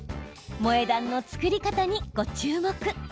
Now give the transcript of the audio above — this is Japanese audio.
萌え断の作り方に、ご注目。